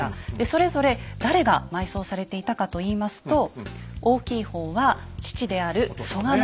それぞれ誰が埋葬されていたかといいますと大きい方は父である蘇我蝦夷ですね。